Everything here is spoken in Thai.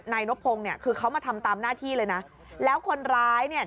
นบพงศ์เนี่ยคือเขามาทำตามหน้าที่เลยนะแล้วคนร้ายเนี่ย